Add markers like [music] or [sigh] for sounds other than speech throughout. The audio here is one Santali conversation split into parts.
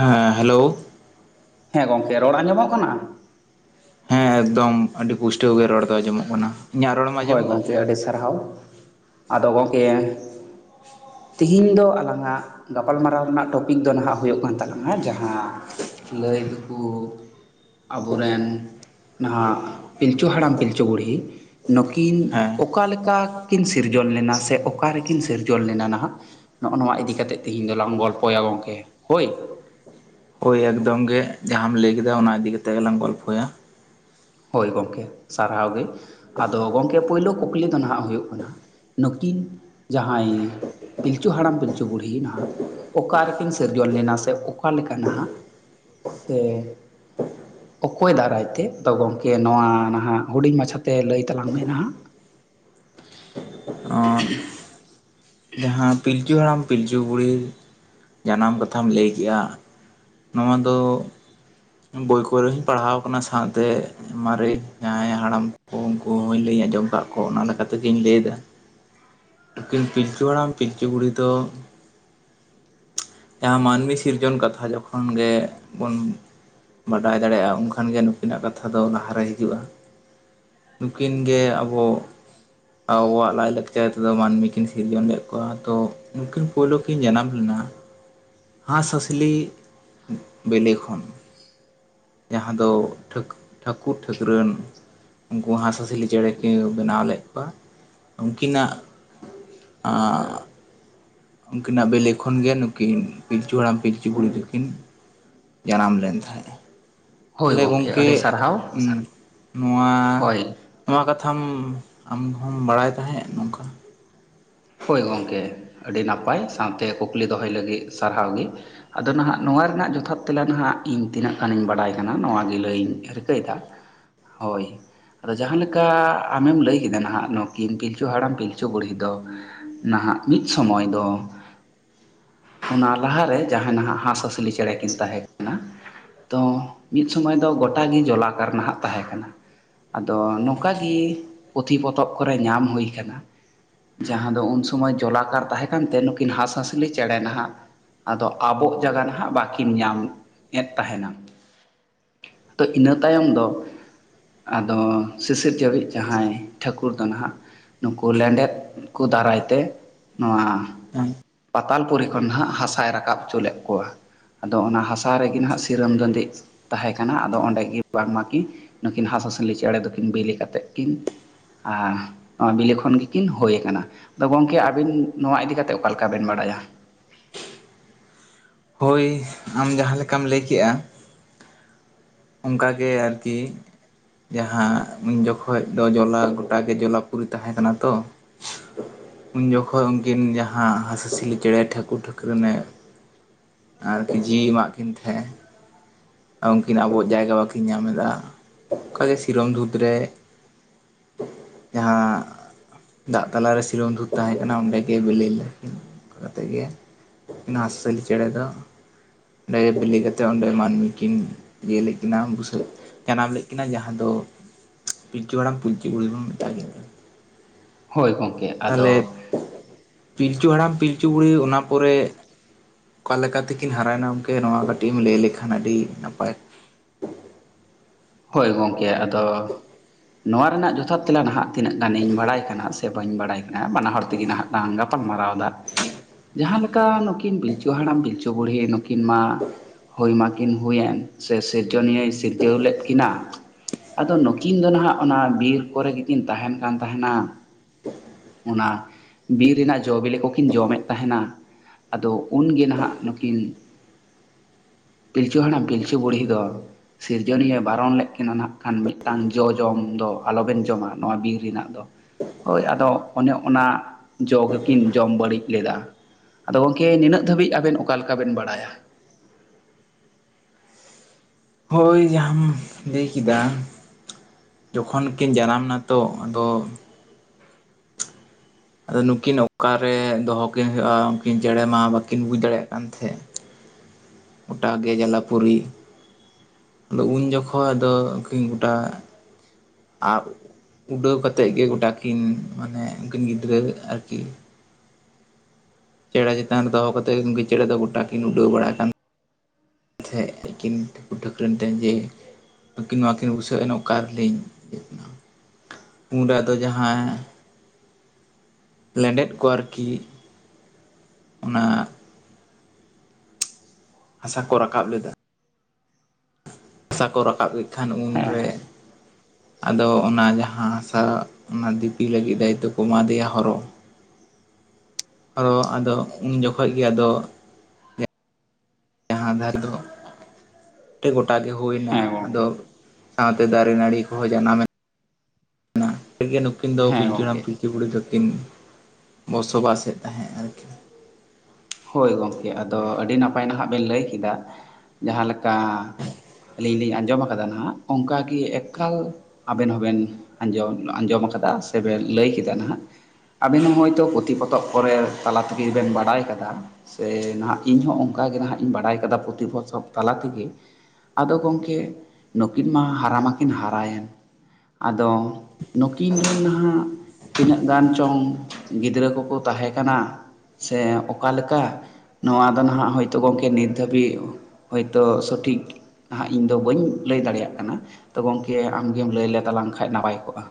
ᱦᱮᱸ ᱦᱮᱞᱳ᱾ ᱦᱮᱸ ᱜᱚᱝᱠᱮ ᱨᱚᱲ ᱟᱸᱡᱚᱢᱚᱜ ᱠᱟᱱᱟ? ᱦᱮᱸ ᱮᱠᱫᱚᱢ ᱟᱹᱰᱤ ᱯᱩᱥᱴᱟᱹᱣ ᱜᱮ ᱨᱚᱲ ᱫᱚ ᱟᱸᱡᱚᱢᱚᱜ ᱠᱟᱱᱟ᱾ ᱤᱧᱟᱹᱜ ᱨᱚᱲᱮᱢ ᱟᱸᱡᱚᱢ ᱦᱳᱭ ᱮᱫᱟ ᱜᱚᱝᱠᱮ ᱟᱹᱰᱤ ᱥᱟᱨᱦᱟᱣ ᱟᱫᱚ ᱜᱚᱝᱠᱮ ᱛᱮᱤᱦᱮᱧ ᱫᱚ ᱟᱞᱟᱝᱟᱜ ᱜᱟᱯᱟᱞᱢᱟᱨᱟᱣ ᱨᱮᱱᱟᱜ ᱴᱚᱯᱤᱠ ᱫᱚ ᱱᱟᱦᱟᱜ ᱦᱩᱭᱩᱜ ᱠᱟᱱ ᱛᱟᱞᱟᱼᱼ ᱡᱟᱦᱟᱸ ᱞᱟᱹᱭ ᱠᱩ ᱟᱵᱚᱨᱮᱱ ᱱᱟᱦᱟᱜ ᱯᱤᱞᱪᱩ ᱦᱟᱲᱟᱢ ᱯᱤᱞᱪᱩ ᱵᱩᱲᱦᱤ ᱱᱩᱠᱤᱱ ᱦᱮᱸ ᱚᱠᱟ ᱞᱮᱠᱟ ᱠᱤᱱ ᱥᱤᱨᱡᱚᱱ ᱞᱮᱱᱟ ᱥᱮ ᱚᱠᱟ ᱨᱮᱠᱤᱱ ᱥᱤᱨᱡᱚᱱ ᱞᱮᱱᱟ ᱱᱟᱦᱟᱜ? ᱱᱚᱜᱼᱚ ᱱᱚᱣᱟ ᱤᱫᱤᱠᱟ ᱠᱟᱛᱮᱫ ᱛᱮᱦᱤᱧ ᱫᱚᱞᱟᱝ ᱜᱚᱲᱯᱚᱭᱟ ᱜᱚᱝᱠᱮ ᱦᱚᱭ᱾ ᱦᱚᱭ ᱮᱠᱫᱚᱢ ᱜᱮ ᱡᱟᱦᱟᱸᱢ ᱞᱟᱹᱭ ᱠᱮᱫᱟ ᱚᱱᱟ ᱤᱫᱤ ᱠᱟᱛᱮ ᱜᱮᱞᱟᱝ ᱜᱚᱲᱯᱚᱭᱟ᱾ ᱦᱚᱭ ᱜᱚᱝᱠᱮ ᱥᱟᱨᱦᱟᱣ ᱜᱮ ᱟᱫᱚ ᱜᱚᱢᱠᱮ ᱯᱩᱭᱞᱩ ᱠᱩᱠᱞᱤ ᱫᱚ ᱱᱟᱦᱟᱜ ᱦᱩᱭᱩᱜ ᱠᱟᱱᱟ᱾ ᱱᱩᱠᱤᱱ ᱡᱟᱦᱟᱸᱭ ᱯᱤᱞᱪᱩ ᱦᱟᱲᱟᱢ ᱯᱤᱞᱪᱩ ᱵᱩᱰᱷᱤ ᱱᱟᱦᱟᱜ ᱚᱠᱟ ᱨᱮᱠᱤᱱ ᱥᱤᱨᱡᱚᱱ ᱞᱮᱱᱟ ᱥᱮ ᱚᱠᱟ ᱞᱮᱠᱟ ᱱᱟᱦᱟᱜ ᱥᱮ ᱚᱠᱚᱭ ᱫᱟᱨᱟᱭ ᱛᱮ ᱛᱚ ᱜᱚᱝᱠᱮ ᱱᱚᱣᱟ ᱱᱟᱦᱟᱜ ᱦᱩᱰᱤᱧ ᱢᱟᱪᱷᱟ ᱛᱮ ᱞᱟᱹᱭ ᱛᱟᱞᱟᱝ ᱢᱮ ᱱᱟᱦᱟᱜ᱾ ᱦᱮᱸ ᱯᱤᱞᱪᱩ ᱦᱟᱲᱟᱢ ᱯᱤᱞᱪᱩ ᱵᱩᱲᱦᱤ ᱡᱟᱱᱟᱢ ᱠᱟᱛᱷᱟᱢ ᱞᱟᱹᱭ ᱠᱮᱜᱼᱟ ᱾ ᱱᱚᱣᱟ ᱫᱚ ᱵᱳᱭ ᱠᱚᱨᱮ ᱦᱚᱸᱧ ᱯᱟᱲᱦᱟᱣ ᱟᱠᱟᱱᱟ ᱥᱟᱶᱛᱮ ᱢᱟᱨᱮ ᱡᱟᱦᱟᱸᱭ ᱦᱟᱲᱟᱢ ᱩᱱᱠᱩ ᱦᱚᱸᱧ ᱞᱟᱹᱭ ᱟᱸᱡᱚᱢ ᱟᱠᱟᱫ ᱠᱚᱣᱟ ᱚᱱᱟ ᱞᱮᱠᱟ ᱛᱮᱜᱤᱧ ᱞᱟᱹᱭᱫᱟ ᱾ ᱟᱹᱠᱤᱱ ᱯᱤᱞᱪᱩ ᱦᱟᱲᱟᱢ ᱯᱤᱞᱪᱩ ᱵᱩᱲᱦᱤ ᱫᱚ ᱡᱟᱦᱟᱸ ᱢᱟᱹᱱᱢᱤ ᱥᱤᱨᱡᱚᱱ ᱠᱟᱛᱷᱟ ᱡᱚᱠᱷᱚᱱ ᱜᱮ ᱵᱚᱱ ᱵᱟᱰᱟᱭ ᱫᱟᱲᱮᱭᱟᱜᱼᱟ ᱩᱱᱠᱷᱟᱱ ᱜᱮ ᱱᱩᱠᱤᱱᱟᱜ ᱠᱟᱛᱷᱟ ᱫᱚ ᱞᱟᱦᱟᱨᱮ ᱦᱤᱡᱩᱜᱼᱟ ᱾ ᱱᱩᱠᱤᱱ ᱜᱮ ᱟᱵᱚ ᱟᱣᱚᱣᱟᱜ ᱞᱟᱭ ᱞᱟᱠᱪᱟᱨ ᱫᱚ ᱢᱟᱹᱱᱢᱤ ᱠᱤᱱ ᱥᱤᱨᱡᱚᱱ ᱞᱮᱜ ᱾ ᱟᱛᱚ ᱩᱱᱠᱤᱱ ᱯᱩᱭᱞᱩ ᱠᱤᱱ ᱡᱟᱱᱟᱢ ᱞᱮᱱᱟ, ᱦᱟᱸᱥ ᱦᱟᱸᱥᱞᱤ ᱵᱮᱞᱮ ᱠᱷᱚᱱ᱾ ᱡᱟᱦᱟᱸ ᱫᱚ ᱴᱷᱟᱠ-ᱴᱷᱟᱹᱠᱩᱨ ᱴᱷᱟᱹᱠᱨᱟᱹᱱ ᱩᱱᱠᱩ ᱦᱟᱸᱥᱼᱦᱟᱸᱥᱞᱤ ᱪᱮᱬᱮ ᱠᱤᱱ ᱵᱮᱱᱟᱣ ᱞᱮᱫ ᱠᱚᱣᱟ, ᱩᱱᱠᱤᱱᱟᱜ ᱟᱸᱻᱟᱸ ᱩᱱ ᱠᱤᱱᱟᱜ ᱵᱮᱞᱮ ᱠᱷᱚᱱ ᱜᱮ ᱱᱩᱠᱤᱱ ᱯᱤᱞᱪᱩ ᱦᱟᱲᱟᱢ ᱯᱤᱞᱪᱩ ᱵᱩᱲᱦᱤ ᱫᱚᱠᱤᱱ ᱡᱟᱱᱟᱢ ᱞᱮᱱ ᱛᱟᱦᱮᱸᱜᱼᱮ ᱾ ᱦᱳᱭ ᱛᱟᱦᱚᱞᱮ ᱜᱚᱢᱠᱮ ᱟᱹᱰᱤ ᱥᱟᱨᱦᱟᱣ ᱩᱢ ᱱᱚᱣᱟ ᱦᱳᱭ ᱱᱚᱣᱟ ᱠᱟᱛᱷᱟᱢ ᱟᱢ ᱦᱚᱢ ᱵᱟᱲᱟᱭ ᱛᱟᱦᱮᱸᱜ ᱱᱚᱝᱠᱟ? ᱦᱳᱭ ᱜᱚᱝᱠᱮ ᱟᱹᱰᱤ ᱱᱟᱯᱟᱭ ᱥᱟᱶᱛᱮ ᱠᱩᱠᱞᱤ ᱫᱚᱦᱚᱭ ᱞᱟᱹᱜᱤᱫ ᱥᱟᱨᱦᱟᱣ ᱜᱤ ᱾ ᱟᱫᱚ ᱱᱟᱦᱟᱜ ᱱᱚᱣᱟ ᱨᱮᱱᱟᱜ ᱡᱚᱛᱷᱟᱛ ᱛᱮᱞᱟ ᱱᱟᱦᱟᱸᱜ ᱤᱧ ᱛᱤᱱᱟᱹᱜ ᱜᱟᱱᱤᱧ ᱵᱟᱲᱟᱭ ᱠᱟᱱᱟ ᱱᱚᱣᱟ ᱜᱮ ᱞᱟᱹᱭ ᱤᱧ ᱨᱤᱠᱟᱹᱭ ᱫᱟ ᱾ ᱦᱳᱭ ᱟᱫᱚ ᱡᱟᱦᱟᱸ ᱞᱮᱠᱟ ᱟᱢᱮᱢ ᱞᱟᱹᱭ ᱠᱮᱫᱟ ᱱᱟ ᱦᱟᱸᱜ ᱱᱩᱠᱤᱱ ᱯᱤᱞᱪᱩ ᱦᱟᱲᱟᱢ ᱯᱤᱞᱪᱩ ᱵᱩᱲᱦᱤ ᱫᱚ ᱱᱟᱦᱟᱜ ᱢᱤᱫ ᱥᱚᱢᱚᱭ ᱫᱚ ᱚᱱᱟ ᱞᱟᱦᱟᱨᱮ ᱡᱟᱦᱟᱸ ᱱᱟᱦᱟᱜ ᱦᱟᱸᱥᱼᱦᱟᱸᱥᱞᱤ ᱪᱮᱬᱮ ᱠᱤᱱ ᱛᱟᱦᱮᱸ ᱠᱟᱱᱟ ᱛᱚ ᱢᱤᱫ ᱥᱚᱢᱚᱭ ᱫᱚ ᱜᱚᱴᱟᱜ ᱜᱮ ᱡᱚᱞᱟ ᱠᱟᱨᱱᱟᱦᱟᱜ ᱛᱟᱸᱦᱮ ᱠᱟᱱᱟ ᱟᱫᱚ ᱱᱚᱝᱠᱟ ᱜᱮ ᱯᱩᱛᱷᱤ ᱯᱚᱛᱚᱵ ᱠᱚᱨᱮ ᱧᱟᱢ ᱦᱩᱭ ᱠᱟᱱᱟ ᱡᱟᱦᱟᱸ ᱫᱚ ᱩᱱ ᱥᱚᱢᱚᱭ ᱡᱚᱞᱟᱠᱟᱨ ᱛᱟᱦᱮᱸ ᱠᱟᱱᱛᱮ ᱱᱩᱠᱤᱱ ᱦᱟᱸᱥᱼᱦᱟᱸᱥᱞᱤ ᱪᱮᱬᱮ ᱱᱟᱦᱟᱜ ᱟᱫᱚ ᱟᱵᱚᱜ ᱡᱟᱭᱜᱟ ᱱᱟᱦᱟᱜ ᱵᱟᱹᱠᱤᱱ ᱧᱟᱢᱮᱫ ᱛᱟᱦᱮᱱᱟ᱾ ᱟᱫᱚ ᱤᱱᱟᱹ ᱛᱟᱭᱚᱢ ᱫᱚ ᱟᱫᱚ ᱥᱤᱥᱤᱨ ᱡᱟᱹᱣᱤᱡ ᱡᱟᱦᱟᱸᱭ ᱴᱷᱟᱹᱠᱩᱨ ᱫᱚ ᱱᱟᱦᱟᱜ ᱱᱩᱠᱩ ᱞᱮᱸᱰᱮᱫ ᱠᱚ ᱫᱟᱨᱟᱭ ᱛᱮ ᱱᱚᱣᱟ ᱯᱟᱛᱟᱞᱯᱩᱨᱤ ᱠᱷᱚᱱ ᱱᱟᱜ ᱦᱟᱥᱟᱭ ᱨᱟᱠᱟᱵ ᱦᱚᱪᱚ ᱞᱮᱫ ᱠᱚᱣᱟ᱾ ᱟᱫᱚ ᱚᱱᱟ ᱦᱟᱥᱟ ᱨᱮᱜᱮ ᱱᱟᱦᱟᱜ ᱥᱤᱨᱚᱢ ᱫᱚ ᱫᱟᱹᱫᱷᱤ ᱛᱟᱦᱮᱸ ᱠᱟᱱᱟ ᱟᱫᱚ ᱚᱸᱰᱮ ᱜᱮ ᱵᱟᱝᱢᱟ ᱠᱤᱱ ᱱᱩᱠᱤᱱ ᱦᱟᱸᱥᱼᱦᱟᱸᱥᱞᱤ ᱪᱮᱬᱮ ᱫᱚᱠᱤᱱ ᱵᱤᱞᱤ ᱠᱟᱛᱮᱫ ᱠᱤᱱ ᱟᱨ ᱱᱚᱣᱟ ᱵᱤᱞᱤ ᱠᱷᱚᱱ ᱜᱮᱠᱤᱱ ᱦᱩᱭ ᱟᱠᱟᱱᱟ ᱟᱫᱚ ᱜᱚᱢᱠᱮ ᱟᱵᱤᱱ ᱱᱚᱣᱟ ᱤᱫᱤ ᱠᱟᱛᱮ ᱚᱠᱟ ᱞᱮᱠᱟᱵᱤᱱ ᱵᱟᱲᱟᱭᱟ ᱦᱳᱭ ᱟᱢ ᱡᱟᱦᱟᱸ ᱞᱮᱠᱟᱢ ᱞᱟᱹᱭ ᱠᱮᱜᱼᱟ ᱚᱱᱠᱟ ᱜᱮ ᱟᱨᱠᱤ ᱡᱟᱦᱟᱸ ᱩᱱ ᱡᱚᱠᱷᱚᱱ ᱫᱚ ᱡᱚᱞᱟᱜ ᱜᱚᱴᱟ ᱜᱮ ᱡᱚᱞᱟᱯᱩᱨᱤ ᱛᱟᱦᱮᱸ ᱠᱟᱱᱟ ᱛᱚ ᱩᱱ ᱡᱚᱠᱷᱚᱱ ᱩᱱᱠᱤᱱ ᱡᱟᱦᱟᱸ ᱦᱟᱸᱥᱼᱦᱟᱸᱥᱞᱤ ᱪᱮᱬᱮ ᱴᱷᱟᱹᱠᱩᱨ ᱴᱷᱟᱹᱠᱩᱨ ᱨᱮᱱᱮ ᱟᱨᱠᱤ ᱡᱤᱣᱤ ᱮᱢᱟᱜ ᱠᱤᱱ ᱛᱟᱦᱮᱸ ᱩᱱᱠᱤᱱ ᱟᱵᱚ ᱡᱟᱭᱜᱟ ᱵᱟᱠᱤᱱ ᱧᱟᱢ ᱮᱫᱟ ᱚᱠᱟ ᱜᱮ ᱥᱤᱨᱚᱢ ᱫᱩᱸᱛ ᱨᱮ ᱡᱟᱦᱟᱸ ᱫᱟᱜ ᱛᱟᱞᱟᱨᱮ ᱥᱤᱨᱚᱢ ᱫᱷᱩᱛ ᱛᱟᱦᱮ ᱠᱟᱱᱟ ᱚᱱᱰᱮᱜᱮ ᱵᱤᱞᱤ ᱞᱮᱠᱤᱱ ᱚᱱᱠᱟ ᱠᱟ ᱠᱟᱛᱮ ᱜᱮ ᱚᱱᱟ ᱦᱟᱸᱥᱼᱦᱟᱸᱥᱞᱤ ᱪᱮᱬᱮ ᱫᱚ ᱚᱸᱰᱮ ᱵᱤᱞᱤ ᱠᱟᱛᱮ ᱚᱸᱰᱮ ᱢᱟᱹᱱᱢᱤ ᱠᱤᱱ ᱤᱭᱟᱹ ᱞᱮᱫ ᱠᱤᱱᱟᱹ ᱵᱩᱥᱟᱹᱜ ᱡᱟᱱᱟᱢ ᱞᱮᱫ ᱠᱤᱱᱟ ᱡᱟᱦᱟᱸ ᱫᱚ ᱯᱤᱞᱪᱩ ᱦᱟᱨᱟᱢ ᱯᱤᱞᱪᱩ ᱵᱩᱲᱦᱤ ᱦᱚᱸ ᱚᱱᱠᱟᱜᱮ ᱢᱮᱛᱟ ᱠᱟᱱᱟ ᱦᱳᱭ ᱜᱚᱢᱠᱮ ᱟᱫᱚ ᱛᱟᱦᱞᱮ ᱯᱤᱞᱪᱩ ᱦᱟᱲᱟᱢ ᱯᱤᱞᱪᱩ ᱵᱩᱲᱦᱤ ᱚᱱᱟ ᱯᱚᱨᱮ ᱚᱠᱟ ᱞᱮᱠᱟᱛᱮᱠᱤᱱ ᱦᱟᱨᱟᱭᱮᱱᱟ ᱜᱚᱢᱠᱮ ᱱᱚᱣᱟ ᱠᱟᱹᱴᱤᱡ ᱮᱢ ᱞᱟᱹᱭ ᱞᱮᱠᱷᱟᱱ ᱟᱹᱰᱤ ᱱᱟᱯᱟᱭ ᱦᱳᱭ ᱜᱚᱢᱠᱮ ᱟᱫᱚ ᱱᱚᱣᱟ ᱨᱮᱱᱟᱜ ᱡᱚᱛᱷᱟᱛ ᱛᱮᱞᱟ ᱱᱟᱦᱟᱜ ᱛᱤᱱᱟᱹᱜ ᱜᱟᱱᱤᱧ ᱵᱟᱲᱟᱭ ᱠᱟᱱᱟ ᱥᱮ ᱥᱮ ᱵᱟᱹᱧ ᱵᱟᱲᱟᱭ ᱠᱟᱱᱟ ᱵᱟᱱᱟ ᱦᱚᱲ ᱛᱮᱜᱮ ᱱᱟᱦᱟᱜ ᱞᱟᱝ ᱜᱟᱯᱟᱞ ᱢᱟᱨᱟᱣ ᱮᱫᱟ ᱡᱟᱦᱟᱸ ᱞᱮᱠᱟ ᱱᱩᱠᱤᱱ ᱯᱤᱞᱪᱩ ᱦᱟᱲᱟᱢ ᱯᱤᱞᱪᱩ ᱵᱩᱲᱦᱤ ᱱᱩᱠᱤᱱ ᱢᱟ ᱦᱩᱭ ᱢᱟᱠᱤᱱ ᱦᱩᱭᱮᱱ ᱥᱮ ᱥᱤᱨᱡᱚᱱᱤᱭᱟᱹ ᱥᱤᱨᱡᱟᱹᱣ ᱞᱮᱫ ᱠᱤᱱ ᱠᱤᱱᱟ ᱟᱫᱚ ᱱᱩᱠᱤᱱ ᱫᱚ ᱱᱟᱦᱟᱜ ᱚᱱᱟ ᱵᱤᱨ ᱠᱚᱨᱮ ᱜᱮᱠᱤᱱ ᱛᱟᱦᱮᱱ ᱠᱟᱱ ᱛᱟᱦᱮᱱᱟᱹ ᱚᱱᱟ ᱵᱤᱨ ᱨᱮᱱᱟᱜ ᱡᱚ-ᱵᱤᱞᱤ ᱠᱚᱠᱤᱱ ᱡᱚ-ᱢᱮᱫ ᱛᱟᱦᱮᱱᱟ ᱟᱫᱚ ᱩᱱᱜᱮ ᱱᱟᱦᱟᱜ ᱱᱩᱠᱤᱱ ᱯᱤᱞᱪᱩ ᱦᱟᱲᱟᱢ ᱯᱤᱞᱪᱩ ᱵᱩᱲᱦᱤ ᱫᱚ ᱥᱤᱨᱡᱚᱱᱤᱭᱟᱹ ᱵᱟᱨᱚᱱ ᱞᱮᱫ ᱠᱤᱱᱟ ᱱᱟᱜ ᱠᱷᱟᱱ ᱢᱤᱫᱴᱟᱝ ᱡᱚ ᱡᱚᱢ ᱫᱚ ᱟᱞᱚᱵᱮᱱ ᱡᱚᱢᱟ ᱱᱚᱣᱟ ᱵᱤᱨ ᱨᱮᱱᱟᱜ ᱫᱚ ᱦᱳᱭ ᱟᱫᱚ ᱚᱱᱮ ᱚᱱᱟ ᱡᱚ ᱜᱮᱠᱤᱱ ᱡᱚᱢ ᱵᱟᱹᱲᱤᱡ ᱞᱮᱫᱟᱹ ᱟᱫᱚ ᱜᱚᱢᱠᱮ ᱱᱤᱱᱟᱹᱜ ᱫᱷᱟᱹᱵᱤᱡ ᱟᱵᱮᱱ ᱚᱠᱟ ᱞᱮᱠᱟᱵᱮᱱ ᱵᱟᱲᱟᱭᱟ ᱦᱳᱭ ᱡᱟᱦᱟᱸᱢ ᱞᱟᱹᱭ ᱠᱮᱫᱟ ᱡᱚᱠᱷᱚᱱ ᱠᱤᱱ ᱡᱟᱱᱟᱢ ᱮᱱᱟ ᱛᱚ ᱟᱫᱚ ᱟᱫᱚ ᱱᱩᱠᱤᱱ ᱚᱠᱟᱨᱮ ᱫᱚᱦᱚ ᱠᱤᱱ ᱦᱩᱭᱩᱜᱼᱟ ᱩᱱᱠᱤᱱ ᱪᱮᱬᱮ ᱢᱟ ᱵᱟᱹᱠᱤᱱ ᱵᱩᱡ ᱫᱟᱲᱮᱭᱟᱜ ᱠᱟᱱ ᱛᱟᱦᱮᱸᱫ ᱜᱚᱴᱟ ᱜᱮ ᱡᱟᱞᱟᱯᱩᱨᱤ ᱟᱫᱚ ᱩᱱ ᱡᱚᱠᱷᱚᱱ ᱫᱚ ᱩᱠᱤᱱ ᱜᱚᱴᱟ ᱟᱵᱽ ᱩᱰᱟᱹᱣ ᱠᱟᱛᱮᱫ ᱜᱮ ᱜᱚᱴᱟᱠᱤᱱ ᱢᱟᱱᱮ ᱩᱱᱠᱤᱱ ᱜᱤᱫᱽᱨᱟᱹ ᱟᱨᱠᱤ ᱪᱮᱬᱮ ᱪᱮᱛᱟᱱ ᱨᱮ ᱫᱚᱦᱚ ᱠᱟᱛᱮᱫ ᱩᱱᱠᱤ ᱪᱮᱬᱮ ᱫᱚ ᱜᱚᱴᱟ ᱠᱤᱱ ᱩᱰᱟᱹᱣ ᱵᱟᱲᱟ ᱟᱠᱟᱱᱟ [inaudible] ᱴᱷᱟᱹᱠᱨᱟᱱ ᱴᱷᱮᱱ ᱡᱮ ᱩᱱᱠᱤᱱ ᱱᱚᱣᱟ ᱠᱤᱱ ᱵᱩᱥᱷᱟᱹᱣ ᱮᱱᱟ ᱚᱠᱟ ᱨᱮᱞᱤᱧ ᱦᱮᱡ ᱮᱱᱟ ᱩᱱᱨᱮ ᱫᱚ ᱡᱟᱦᱟᱸ ᱞᱮᱸᱰᱮᱫ ᱠᱚ ᱟᱨᱠᱤ, ᱚᱱᱟ ᱦᱟᱥᱟ ᱠᱚ ᱨᱟᱠᱟᱵ ᱞᱮᱫᱟ᱾ ᱦᱟᱥᱟ ᱠᱚ ᱨᱟᱠᱟᱵ ᱮᱫ ᱠᱷᱟᱱ ᱦᱮᱸ ᱩᱱᱨᱮ ᱟᱫᱚ ᱚᱱᱟ ᱡᱟᱦᱟᱸ ᱦᱟᱥᱟ ᱚᱱᱟ ᱫᱤᱯᱤ ᱞᱟᱹᱜᱤᱫ ᱫᱟᱭᱤᱛᱛᱚ ᱠᱚ ᱮᱢᱟᱫᱮᱭᱟ ᱦᱚᱨᱚ᱾ ᱟᱨᱚ ᱟᱫᱚ ᱩᱱ ᱡᱚᱠᱷᱚᱡ ᱜᱮ ᱟᱫᱚ ᱡᱟᱦᱟᱸ ᱫᱷᱟᱨ ᱫᱚ ᱜᱚᱴᱟ ᱜᱮ ᱦᱩᱭᱱᱟ ᱦᱮᱸ ᱜᱚᱢᱠᱮ ᱟᱫᱚ ᱥᱟᱶᱛᱮ ᱫᱟᱨᱮ ᱱᱟᱹᱲᱤ ᱠᱚᱦᱚᱸ ᱡᱟᱱᱟᱢ ᱮᱱ᱾ ᱩᱱ ᱠᱤᱱ ᱜᱤ ᱱᱩᱠᱤᱱ ᱫᱚ ᱦᱮᱸ ᱯᱤᱞᱪᱩ ᱦᱟᱲᱟᱢ ᱜᱚᱢᱠᱮ ᱯᱤᱞᱪᱩ ᱵᱩᱰᱦᱤ ᱫᱚᱠᱤᱱ ᱵᱚᱥᱚᱵᱟᱥ ᱮᱫ ᱛᱟᱦᱮᱸᱫ ᱟᱨᱠᱤ᱾ ᱦᱳᱭ ᱜᱚᱝᱠᱮ ᱟᱫᱚ ᱟᱹᱰᱤ ᱱᱟᱯᱟᱭ ᱱᱟᱦᱟᱜ ᱵᱮᱱ ᱞᱟᱹᱭ ᱠᱤᱫᱟ᱾ ᱡᱟᱦᱟᱸ ᱞᱮᱠᱟ ᱟᱹᱞᱤᱧ ᱞᱤᱧ ᱟᱸᱡᱚᱢ ᱟᱠᱟᱫᱟ ᱱᱟᱦᱟᱜ ᱚᱱᱠᱟᱜᱤ ᱮᱠᱟᱞ ᱟᱵᱮᱱ ᱦᱚᱸᱵᱮᱱ ᱟᱸᱡᱚᱢ ᱟᱸᱡᱚᱢ ᱠᱟᱫᱟ ᱥᱮ ᱵᱮᱱ ᱞᱟᱹᱭ ᱠᱮᱫᱟ ᱱᱟᱦᱟᱜ᱾ ᱟᱵᱮᱱ ᱦᱚᱸ ᱦᱚᱭᱛᱚ ᱯᱩᱛᱷᱤ ᱯᱚᱛᱚᱵ ᱠᱚᱨᱮ ᱛᱟᱞᱟ ᱛᱤᱜᱤ ᱵᱮᱱ ᱵᱟᱰᱟᱭ ᱠᱟᱫᱟ᱾ ᱥᱮ ᱱᱟᱦᱟᱜ ᱤᱧᱦᱚᱸ ᱚᱱᱠᱟ ᱜᱮ ᱱᱟᱦᱟᱜ ᱤᱧ ᱵᱟᱰᱟᱭ ᱠᱟᱫᱟ ᱯᱩᱛᱷᱤ ᱯᱚᱛᱚᱵ ᱛᱟᱞᱟ ᱛᱮᱜᱤ᱾ ᱟᱫᱚ ᱜᱚᱝᱠᱮ ᱱᱩᱠᱤᱱ ᱢᱟ ᱦᱟᱨᱟ ᱢᱟᱠᱤᱱ ᱦᱟᱨᱟᱭᱮᱱ᱾ ᱟᱫᱚ ᱱᱩᱠᱤᱱ ᱨᱮᱱ ᱱᱟᱦᱟᱜ ᱛᱤᱱᱟᱹᱜ ᱜᱟᱱ ᱪᱚᱝ ᱜᱤᱫᱽᱨᱟᱹ ᱠᱚᱠᱚ ᱛᱟᱦᱮᱸ ᱠᱟᱱᱟ ᱥᱮ ᱚ ᱚᱠᱟᱞᱮᱠᱟ ᱱᱚᱣᱟ ᱫᱚ ᱱᱟᱦᱟᱜ ᱦᱳᱭᱛᱳ ᱜᱚᱝᱠᱮ ᱱᱤᱛ ᱫᱷᱟᱹᱵᱤᱡ ᱦᱳᱭᱛᱳ ᱥᱚᱴᱷᱤᱠ ᱱᱟᱦᱟᱜ ᱤᱧ ᱫᱚ ᱵᱟᱹᱧ ᱞᱟᱹᱭ ᱫᱟᱲᱮᱭᱟᱜ ᱠᱟᱱᱟ ᱛᱚ ᱜᱚᱝᱠᱮ ᱟᱢᱜᱮᱢ ᱞᱟᱹᱭ ᱞᱮᱛᱟᱞᱟᱝ ᱠᱷᱟᱡ ᱱᱟᱯᱟᱭ ᱠᱚᱜᱼᱟ᱾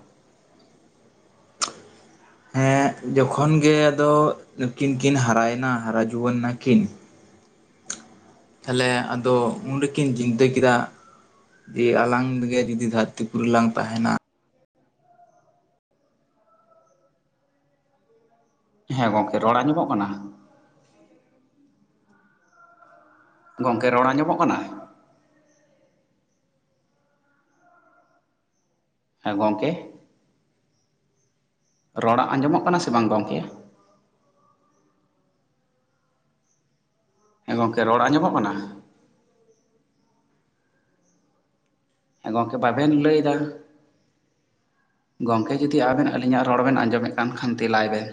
ᱦᱮᱸ ᱡᱚᱠᱷᱚᱱ ᱜᱮ ᱟᱫᱚ ᱱᱩᱠᱤᱱ ᱠᱤᱱ ᱦᱟᱨᱟᱭᱮᱱᱟ ᱦᱟᱨᱟ ᱡᱩᱣᱟᱹᱱ ᱱᱟ ᱠᱤᱱ᱾ ᱛᱷᱟᱞᱮ ᱟᱫᱚ ᱩᱱ ᱨᱮᱠᱤᱱ ᱡᱤᱱᱫᱟᱹ ᱠᱤᱫᱟ᱾ ᱮ ᱟᱞᱟᱝ ᱜᱮ ᱡᱩᱫᱤ ᱫᱷᱟᱹᱨᱛᱤᱯᱩᱨᱤ ᱞᱟᱝ ᱛᱟᱦᱮᱱᱟ᱾ ᱦᱮᱸ ᱜᱚᱝᱠᱮ ᱨᱚᱲ ᱟᱸᱡᱚᱢᱚᱜ ᱠᱟᱱᱟ᱾ ᱜᱚᱝᱠᱮ ᱨᱚᱲ ᱟᱸᱡᱚᱢᱚᱜ ᱠᱟᱱᱟ? ᱦᱮᱸ ᱜᱚᱝᱠᱮ᱾ ᱨᱚᱲᱟᱜ ᱟᱸᱡᱚᱢᱚᱜ ᱠᱟᱱᱟ ᱥᱮ ᱵᱟᱝ ᱜᱚᱝᱠᱮᱭᱟ᱾ ᱦᱮᱸ ᱜᱚᱝᱠᱮ ᱨᱚᱲ ᱟᱸᱡᱚᱢᱚᱜ ᱠᱟᱱᱟ᱾ ᱮᱸ ᱜᱚᱝᱠᱮ ᱵᱟᱵᱮᱱ ᱞᱟᱹᱭ ᱫᱟ᱾ ᱜᱚᱝᱠᱮ ᱡᱩᱫᱤ ᱟᱵᱮᱱ ᱟᱹᱞᱤᱧᱟᱜ ᱨᱚᱲ ᱵᱮᱱ ᱟᱸᱡᱚᱢᱮᱫ ᱠᱟᱱ ᱠᱷᱟᱱ ᱛᱮᱞᱟᱭ ᱵᱮᱱ᱾